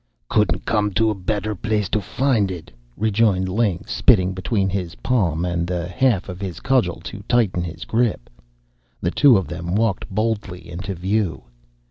"Couldn't come to a better place to find it," rejoined Ling, spitting between his palm and the half of his cudgel to tighten his grip. The two of them walked boldly into view.